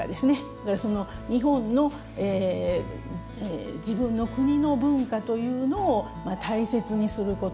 だから日本の自分の国の文化というのを大切にすること。